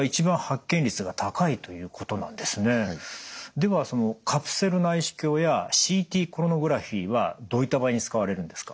ではそのカプセル内視鏡やＣＴコロノグラフィーはどういった場合に使われるんですか？